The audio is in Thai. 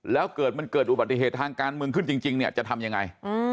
แล้วเกิดมันเกิดอุบัติเหตุทางการเมืองขึ้นจริงเนี่ยจะทำยังไง